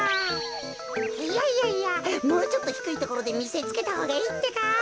いやいやいやもうちょっとひくいところでみせつけたほうがいいってか。